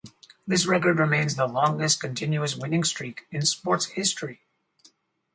This record remains the longest continuous winning streak in sports history.